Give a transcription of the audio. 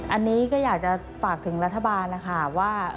อันนี้ก็อยากจะฝากถึงรัฐบาลนะคะว่า